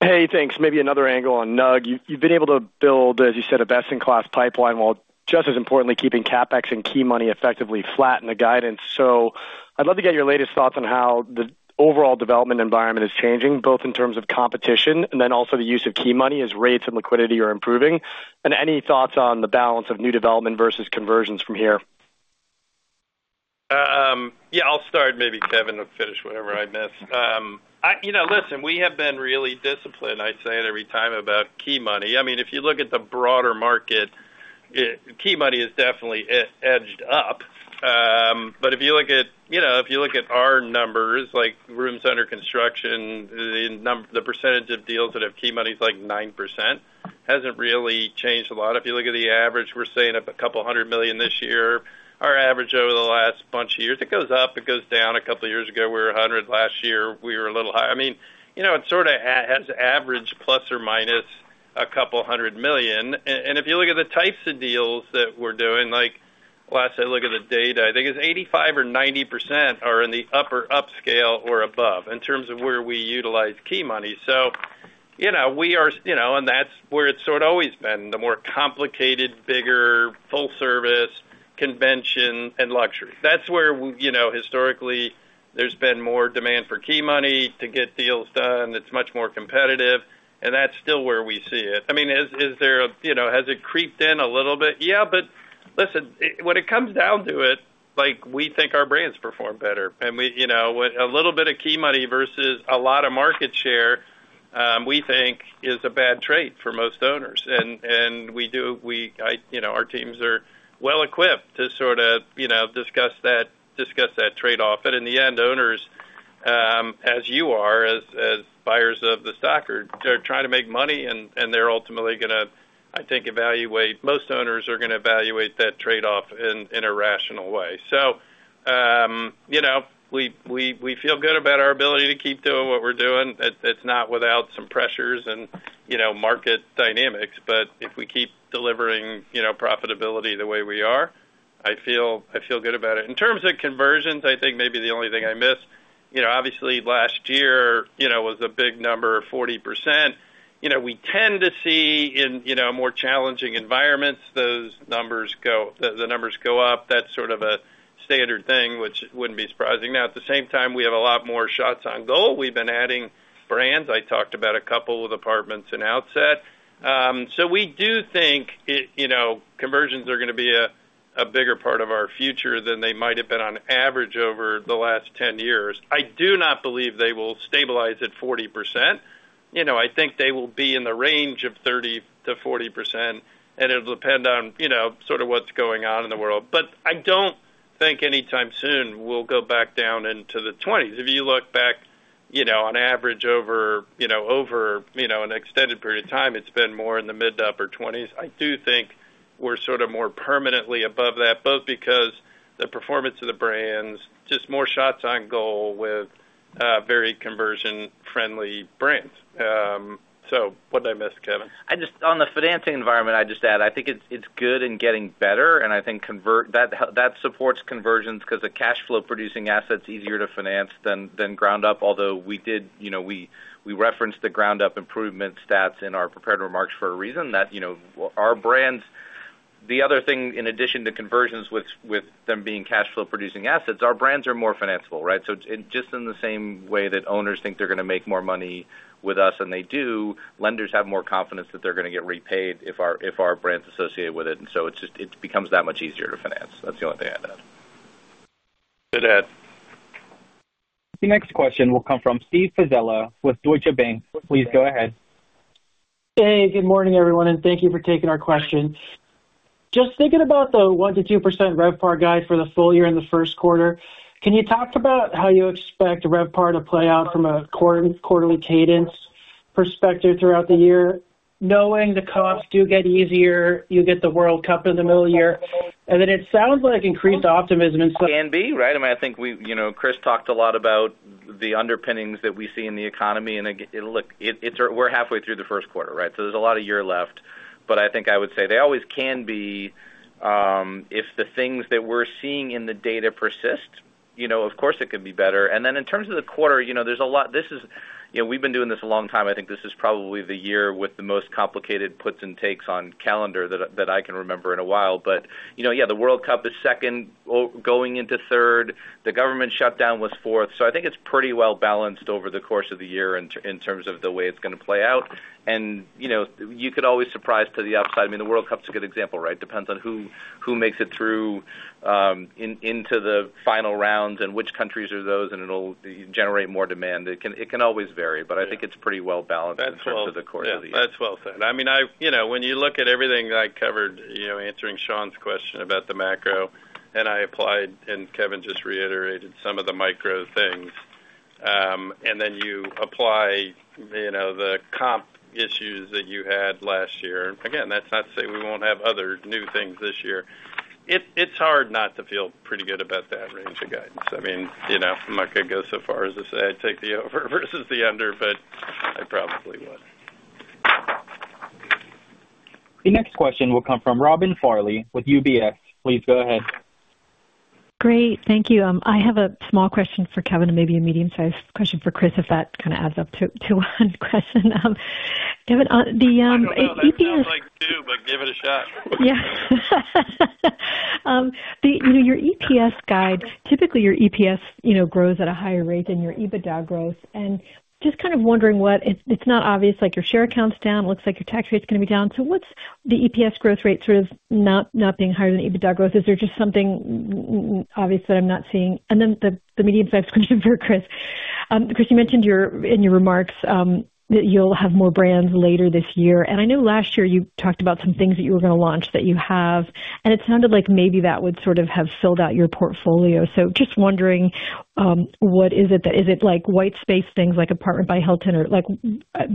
Hey, thanks. Maybe another angle on NUG. You've been able to build, as you said, a best-in-class pipeline while, just as importantly, keeping CapEx and key money effectively flat in the guidance. So I'd love to get your latest thoughts on how the overall development environment is changing, both in terms of competition and then also the use of key money as rates and liquidity are improving. And any thoughts on the balance of new development versus conversions from here? Yeah, I'll start. Maybe Kevin will finish whatever I missed. Listen, we have been really disciplined, I say it every time, about key money. I mean, if you look at the broader market, key money is definitely edged up. But if you look at our numbers, like rooms under construction, the percentage of deals that have key money is like 9%. Hasn't really changed a lot. If you look at the average, we're saying up $200 million this year. Our average over the last bunch of years, it goes up. It goes down. A couple of years ago, we were $100 million. Last year, we were a little higher. I mean, it sort of has averaged plus or minus $200 million. And if you look at the types of deals that we're doing, last I looked at the data, I think it's 85% or 90% are in the upper upscale or above in terms of where we utilize key money. So we are and that's where it's sort of always been, the more complicated, bigger, full-service, convention, and luxury. That's where historically, there's been more demand for key money to get deals done. It's much more competitive. And that's still where we see it. I mean, has it creeped in a little bit? Yeah, but listen, when it comes down to it, we think our brands perform better. And a little bit of key money versus a lot of market share, we think, is a bad trade for most owners. And our teams are well-equipped to sort of discuss that trade-off. In the end, owners, as you are, as buyers of the stock, are trying to make money, and they're ultimately going to, I think, evaluate most owners are going to evaluate that trade-off in a rational way. So we feel good about our ability to keep doing what we're doing. It's not without some pressures and market dynamics. But if we keep delivering profitability the way we are, I feel good about it. In terms of conversions, I think maybe the only thing I missed, obviously, last year was a big number, 40%. We tend to see in more challenging environments, those numbers go up. That's sort of a standard thing, which wouldn't be surprising. Now, at the same time, we have a lot more shots on goal. We've been adding brands. I talked about a couple of apartments in outset. So we do think conversions are going to be a bigger part of our future than they might have been on average over the last 10 years. I do not believe they will stabilize at 40%. I think they will be in the range of 30%-40%, and it'll depend on sort of what's going on in the world. But I don't think anytime soon we'll go back down into the 20s. If you look back on average over an extended period of time, it's been more in the mid- to upper 20s. I do think we're sort of more permanently above that, both because the performance of the brands, just more shots on goal with very conversion-friendly brands. So what did I miss, Kevin? On the financing environment, I'd just add, I think it's good and getting better. I think that supports conversions because the cash flow-producing asset's easier to finance than ground up, although we referenced the ground up improvement stats in our prepared remarks for a reason, that our brands the other thing, in addition to conversions with them being cash flow-producing assets, our brands are more financeable, right? So just in the same way that owners think they're going to make more money with us and they do, lenders have more confidence that they're going to get repaid if our brand's associated with it. So it becomes that much easier to finance. That's the only thing I'd add. Good add. The next question will come from Steve Pizzella with Deutsche Bank. Please go ahead. Hey, good morning, everyone, and thank you for taking our questions. Just thinking about the 1%-2% RevPAR guide for the full year and the first quarter, can you talk about how you expect RevPAR to play out from a quarterly cadence perspective throughout the year? Knowing the comps do get easier, you get the World Cup in the middle of the year. And then it sounds like increased optimism in. Can be, right? I mean, I think Chris talked a lot about the underpinnings that we see in the economy. And we're halfway through the first quarter, right? So there's a lot of year left. But I think I would say they always can be if the things that we're seeing in the data persist, of course, it could be better. And then in terms of the quarter, there's a lot. This is we've been doing this a long time. I think this is probably the year with the most complicated puts and takes on calendar that I can remember in a while. But yeah, the World Cup is second, going into third. The government shutdown was fourth. So I think it's pretty well balanced over the course of the year in terms of the way it's going to play out. And you could always surprise to the upside. I mean, the World Cup's a good example, right? Depends on who makes it through into the final rounds and which countries are those, and it'll generate more demand. It can always vary, but I think it's pretty well balanced in terms of the course of the year. That's well said. I mean, when you look at everything I covered, answering Sean's question about the macro, and I applied, and Kevin just reiterated, some of the micro things, and then you apply the comp issues that you had last year. Again, that's not to say we won't have other new things this year. It's hard not to feel pretty good about that range of guidance. I mean, I'm not going to go so far as to say I'd take the over versus the under, but I probably would. The next question will come from Robin Farley with UBS. Please go ahead. Great. Thank you. I have a small question for Kevin and maybe a medium-sized question for Chris if that kind of adds up to one question. Kevin, the EPS. It sounds like two, but give it a shot. Yeah. Your EPS guide, typically, your EPS grows at a higher rate than your EBITDA growth. And just kind of wondering what it's not obvious. Your share account's down. It looks like your tax rate's going to be down. So what's the EPS growth rate sort of not being higher than EBITDA growth? Is there just something obvious that I'm not seeing? And then the medium-sized question for Chris. Chris, you mentioned in your remarks that you'll have more brands later this year. And I know last year, you talked about some things that you were going to launch that you have. And it sounded like maybe that would sort of have filled out your portfolio. So just wondering, what is it that is it white space things like Apartment by Hilton?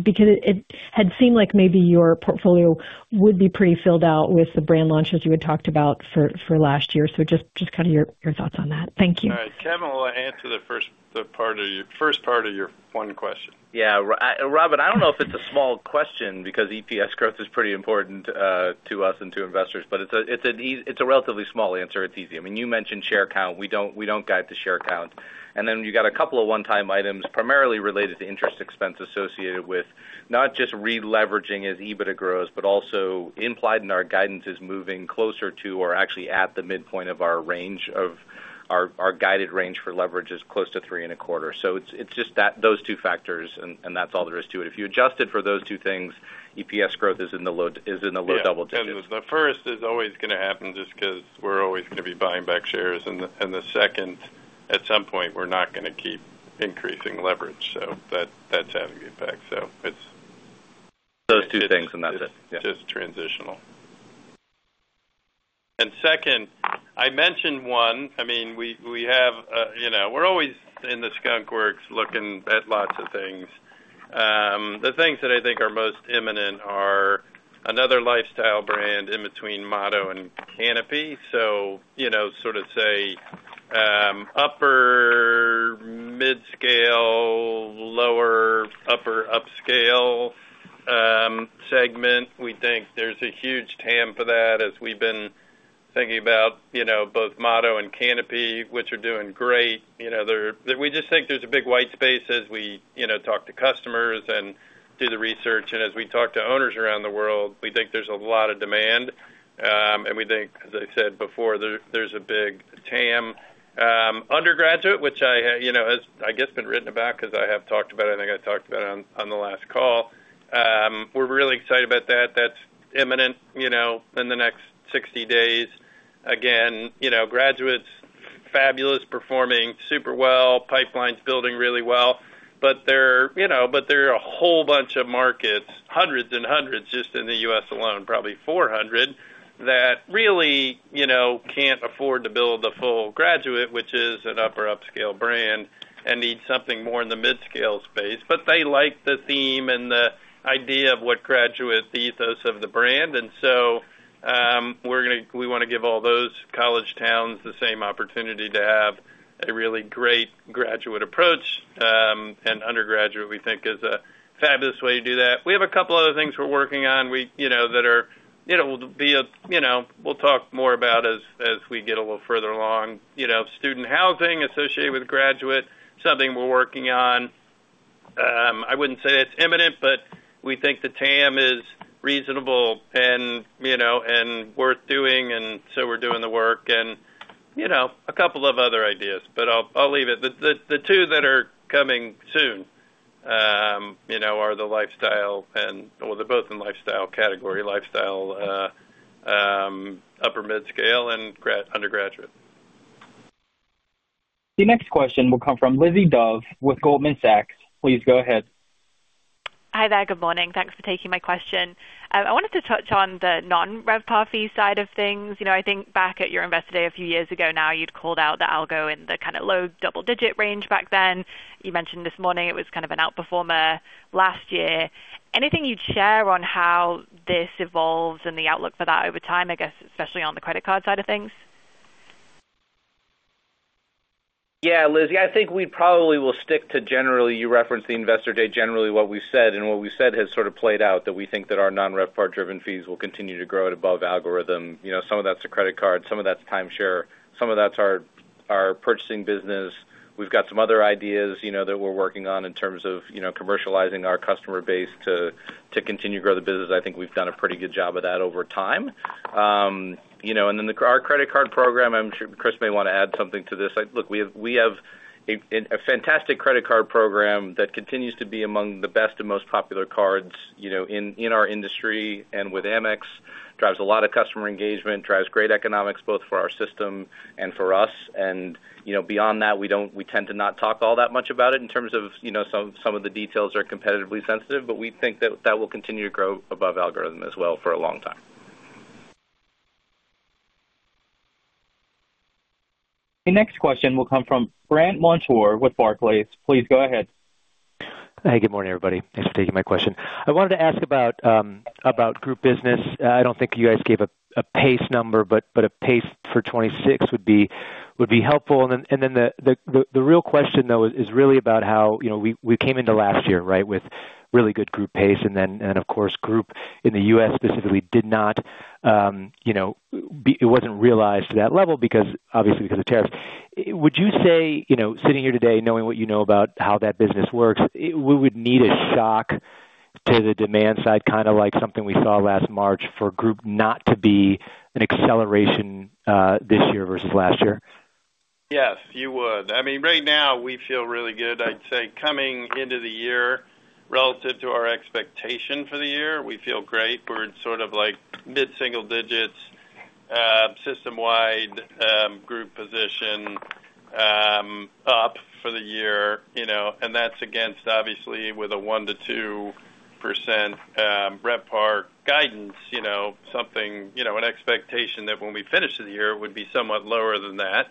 Because it had seemed like maybe your portfolio would be pretty filled out with the brand launches you had talked about for last year. So just kind of your thoughts on that? Thank you. All right. Kevin, I want to answer the first part of your first part of your one question. Yeah. Robin, I don't know if it's a small question because EPS growth is pretty important to us and to investors, but it's a relatively small answer. It's easy. I mean, you mentioned share count. We don't guide the share count. And then you got a couple of one-time items, primarily related to interest expense associated with not just re-leveraging as EBITDA grows, but also implied in our guidance is moving closer to or actually at the midpoint of our range of our guided range for leverage is close to 3.25. So it's just those two factors, and that's all there is to it. If you adjusted for those two things, EPS growth is in the low double digits. Yeah. The first is always going to happen just because we're always going to be buying back shares. The second, at some point, we're not going to keep increasing leverage. So that's having the impact. So it's those two things, and that's it. Just transitional. Second, I mentioned one. I mean, we're always in the skunkworks looking at lots of things. The things that I think are most imminent are another lifestyle brand in between Motto and Canopy. So sort of say upper, midscale, lower, upper upscale segment. We think there's a huge TAM for that as we've been thinking about both Motto and Canopy, which are doing great. We just think there's a big white space as we talk to customers and do the research. And as we talk to owners around the world, we think there's a lot of demand. And we think, as I said before, there's a big TAM. Undergraduate, which has, I guess, been written about because I have talked about it. I think I talked about it on the last call. We're really excited about that. That's imminent in the next 60 days. Again, Graduate, fabulous, performing super well, pipeline building really well. But there are a whole bunch of markets, hundreds and hundreds just in the U.S. alone, probably 400, that really can't afford to build the full Graduate, which is an upper upscale brand, and need something more in the midscale space. But they like the theme and the idea of what Graduate the ethos of the brand. And Undergraduate, we think, is a fabulous way to do that. We have a couple other things we're working on that we'll talk more about as we get a little further along. Student housing associated with Graduate, something we're working on. I wouldn't say it's imminent, but we think the TAM is reasonable and worth doing, and so we're doing the work. And a couple of other ideas, but I'll leave it. The two that are coming soon are the lifestyle and well, they're both in lifestyle category, lifestyle upper midscale and Graduate. The next question will come from Lizzie Dove with Goldman Sachs. Please go ahead. Hi there. Good morning. Thanks for taking my question. I wanted to touch on the non-RevPAR fee side of things. I think back at your Investor Day a few years ago now, you'd called out the algo in the kind of low double-digit range back then. You mentioned this morning it was kind of an outperformer last year. Anything you'd share on how this evolves and the outlook for that over time, I guess, especially on the credit card side of things? Yeah, Lizzie. I think we probably will stick to generally you referenced the Investor Day, generally what we've said. And what we've said has sort of played out that we think that our non-RevPAR-driven fees will continue to grow at above algorithm. Some of that's the credit card. Some of that's timeshare. Some of that's our purchasing business. We've got some other ideas that we're working on in terms of commercializing our customer base to continue to grow the business. I think we've done a pretty good job of that over time. And then our credit card program, I'm sure Chris may want to add something to this. Look, we have a fantastic credit card program that continues to be among the best and most popular cards in our industry and with Amex. Drives a lot of customer engagement, drives great economics both for our system and for us. Beyond that, we tend to not talk all that much about it in terms of some of the details, are competitively sensitive. But we think that that will continue to grow above algorithm as well for a long time. The next question will come from Brandt Montour with Barclays. Please go ahead. Hey, good morning, everybody. Thanks for taking my question. I wanted to ask about group business. I don't think you guys gave a pace number, but a pace for 2026 would be helpful. And then the real question, though, is really about how we came into last year, right, with really good group pace. And then, of course, group in the U.S. specifically did not, it wasn't realized to that level, obviously, because of tariffs. Would you say, sitting here today, knowing what you know about how that business works, we would need a shock to the demand side, kind of like something we saw last March, for group not to be an acceleration this year versus last year? Yes, you would. I mean, right now, we feel really good. I'd say coming into the year, relative to our expectation for the year, we feel great. We're in sort of mid-single digits, system-wide group position up for the year. And that's against, obviously, with a 1%-2% RevPAR guidance, something, an expectation that when we finish the year, it would be somewhat lower than that.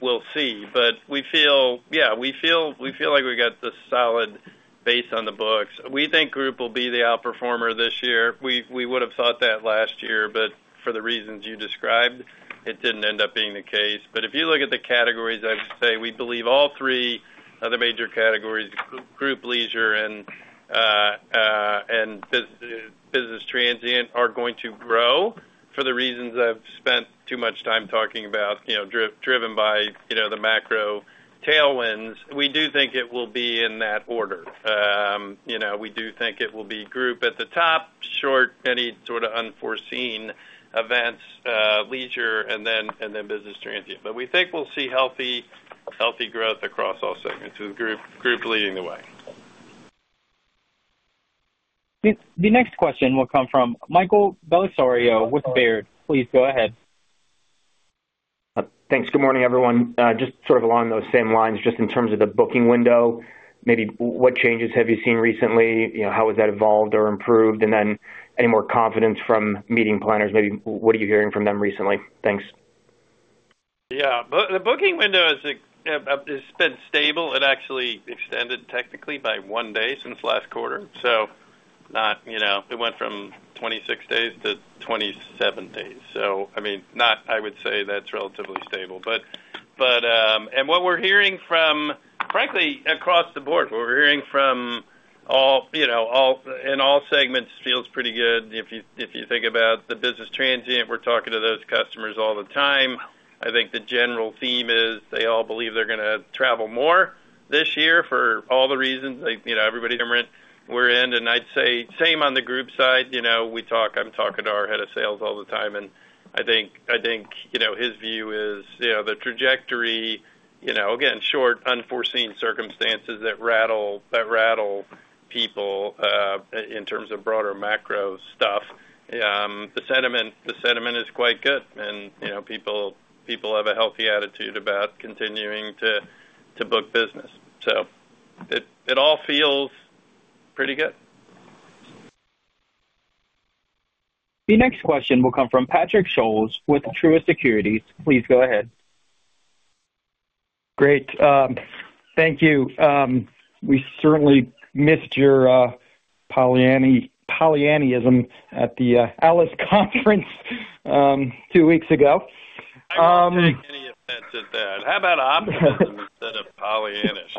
We'll see. But yeah, we feel like we got the solid base on the books. We think group will be the outperformer this year. We would have thought that last year, but for the reasons you described, it didn't end up being the case. But if you look at the categories, I would say we believe all three other major categories, group leisure and business transient, are going to grow for the reasons I've spent too much time talking about, driven by the macro tailwinds. We do think it will be in that order. We do think it will be group at the top, short, any sort of unforeseen events, leisure, and then business transient. But we think we'll see healthy growth across all segments with group leading the way. The next question will come from Michael Bellisario with Baird. Please go ahead. Thanks. Good morning, everyone. Just sort of along those same lines, just in terms of the booking window, maybe what changes have you seen recently? How has that evolved or improved? And then any more confidence from meeting planners? Maybe what are you hearing from them recently? Thanks. Yeah. The booking window has been stable. It actually extended technically by 1 day since last quarter. So it went from 26 days to 27 days. So I mean, I would say that's relatively stable. And what we're hearing from, frankly, across the board, what we're hearing from all in all segments feels pretty good. If you think about the business transient, we're talking to those customers all the time. I think the general theme is they all believe they're going to travel more this year for all the reasons. Everybody. Different we're in. And I'd say same on the group side. I'm talking to our head of sales all the time. And I think his view is the trajectory, again, short, unforeseen circumstances that rattle people in terms of broader macro stuff. The sentiment is quite good. And people have a healthy attitude about continuing to book business. So it all feels pretty good. The next question will come from Patrick Scholes with Truist Securities. Please go ahead. Great. Thank you. We certainly missed your Pollyannism at the ALIS Conference two weeks ago. I don't take any offense at that. How about optimism instead of Pollyannish?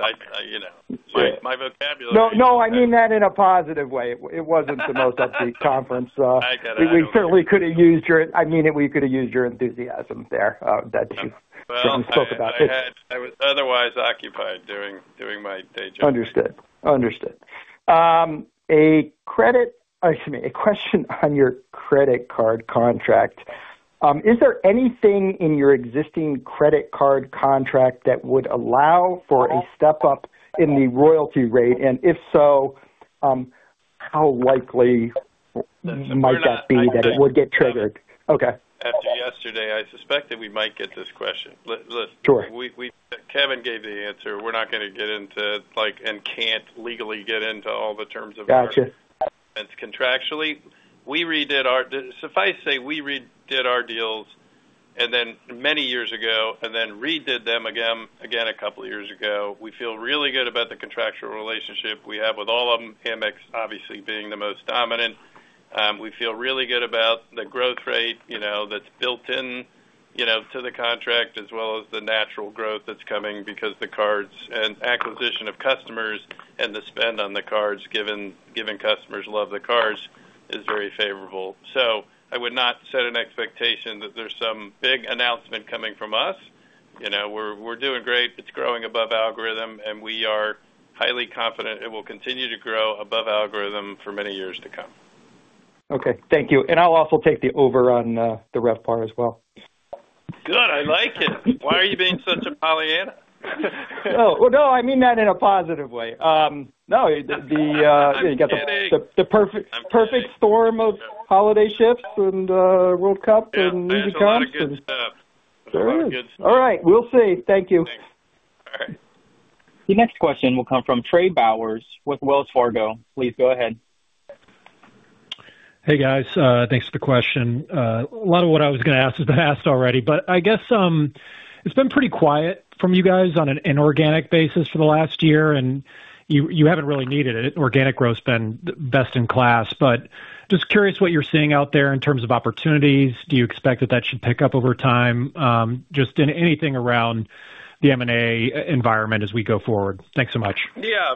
My vocabulary. No, no. I mean that in a positive way. It wasn't the most upbeat conference. We could have used your enthusiasm there, that you spoke about. Well, I was otherwise occupied doing my day job. Understood. Understood. Excuse me. A question on your credit card contract. Is there anything in your existing credit card contract that would allow for a step up in the royalty rate? And if so, how likely might that be that it would get triggered? After yesterday, I suspect that we might get this question. Kevin gave the answer. We're not going to get into, and can't legally get into, all the terms of our contracts. Contractually, suffice to say, we redid our deals many years ago and then redid them again a couple of years ago. We feel really good about the contractual relationship we have with all of them, Amex obviously being the most dominant. We feel really good about the growth rate that's built into the contract as well as the natural growth that's coming because the cards and acquisition of customers and the spend on the cards, given customers love the cards, is very favorable. So I would not set an expectation that there's some big announcement coming from us. We're doing great. It's growing above algorithm. We are highly confident it will continue to grow above algorithm for many years to come. Okay. Thank you. I'll also take the over on the RevPAR as well. Good. I like it. Why are you being such a Pollyanna? Oh, well, no. I mean that in a positive way. No, you got the perfect storm of holiday shifts and World Cup and easy comps. Yeah, it's all good stuff. There it is. All right. We'll see. Thank you. Thanks. All right. The next question will come from Trey Bowers with Wells Fargo. Please go ahead. Hey, guys. Thanks for the question. A lot of what I was going to ask has been asked already. But I guess it's been pretty quiet from you guys on an inorganic basis for the last year. And you haven't really needed it. Organic growth's been best in class. But just curious what you're seeing out there in terms of opportunities. Do you expect that that should pick up over time, just anything around the M&A environment as we go forward? Thanks so much. Yeah.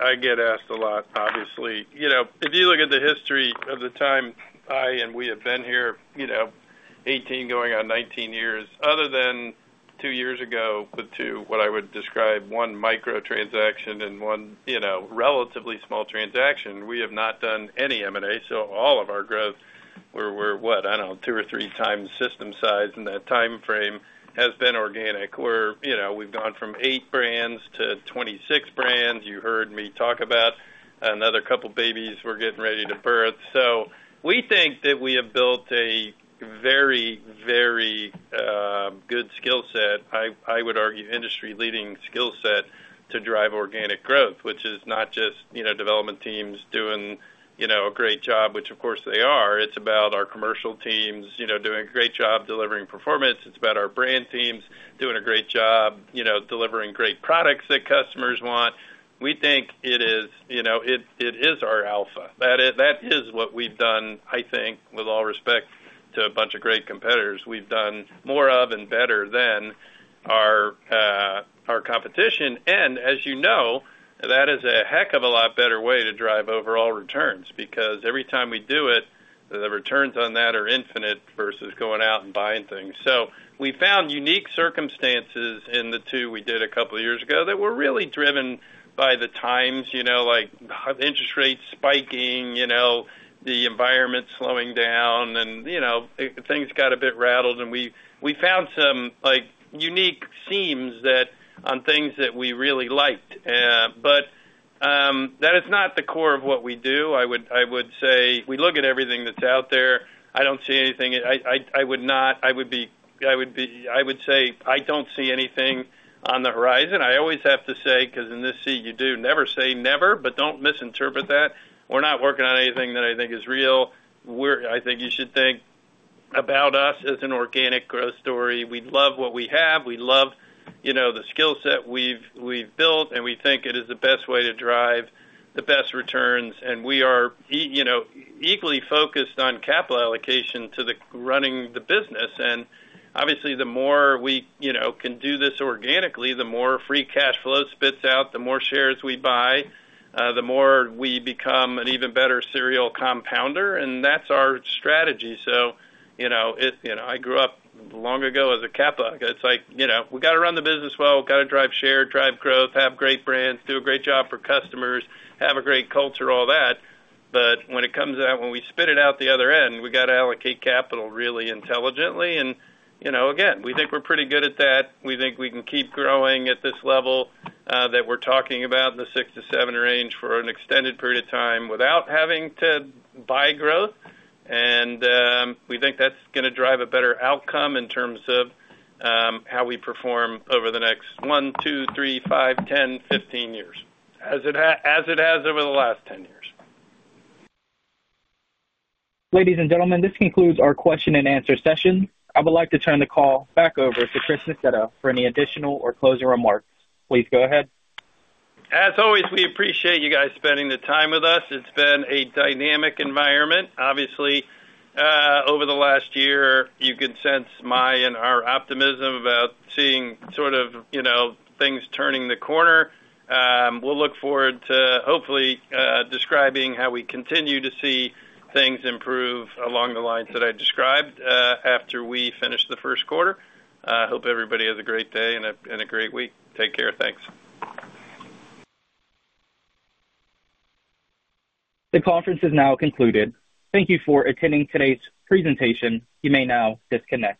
I get asked a lot, obviously. If you look at the history of the time I and we have been here, 18 going on 19 years, other than two years ago with two, what I would describe, one microtransaction and one relatively small transaction, we have not done any M&A. So all of our growth, we're what? I don't know, two or three times system size in that timeframe has been organic. We've gone from eight brands to 26 brands. You heard me talk about another couple babies we're getting ready to birth. So we think that we have built a very, very good skill set, I would argue, industry-leading skill set to drive organic growth, which is not just development teams doing a great job, which, of course, they are. It's about our commercial teams doing a great job delivering performance. It's about our brand teams doing a great job delivering great products that customers want. We think it is our alpha. That is what we've done, I think, with all respect to a bunch of great competitors. We've done more of and better than our competition. And as you know, that is a heck of a lot better way to drive overall returns because every time we do it, the returns on that are infinite versus going out and buying things. So we found unique circumstances in the two we did a couple of years ago that were really driven by the times, like interest rates spiking, the environment slowing down, and things got a bit rattled. And we found some unique seams on things that we really liked. But that is not the core of what we do. I would say we look at everything that's out there. I don't see anything I would not. I would say I don't see anything on the horizon. I always have to say because in this seat, you do never say never, but don't misinterpret that. We're not working on anything that I think is real. I think you should think about us as an organic growth story. We love what we have. We love the skill set we've built. And we think it is the best way to drive the best returns. And we are equally focused on capital allocation to running the business. And obviously, the more we can do this organically, the more free cash flow spits out, the more shares we buy, the more we become an even better serial compounder. And that's our strategy. So I grew up long ago as a CPA. It's like we got to run the business well. We got to drive share, drive growth, have great brands, do a great job for customers, have a great culture, all that. But when it comes to that, when we spit it out the other end, we got to allocate capital really intelligently. And again, we think we're pretty good at that. We think we can keep growing at this level that we're talking about, the 6-7 range for an extended period of time without having to buy growth. And we think that's going to drive a better outcome in terms of how we perform over the next one, two, three, five, 10, 15 years, as it has over the last 10 years. Ladies and gentlemen, this concludes our question-and-answer session. I would like to turn the call back over to Chris Nassetta for any additional or closing remarks. Please go ahead. As always, we appreciate you guys spending the time with us. It's been a dynamic environment. Obviously, over the last year, you can sense my and our optimism about seeing sort of things turning the corner. We'll look forward to hopefully describing how we continue to see things improve along the lines that I described after we finish the first quarter. I hope everybody has a great day and a great week. Take care. Thanks. The conference is now concluded. Thank you for attending today's presentation. You may now disconnect.